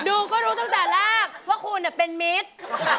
ดูก็รู้ตั้งแต่แรกว่าคุณเป็นมิตร